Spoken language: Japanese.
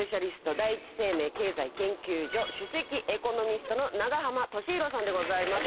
第一生命経済研究所主席エコノミストの永濱利廣さんでございます。